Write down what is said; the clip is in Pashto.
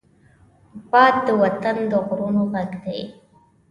باد د وطن د غرونو غږ دی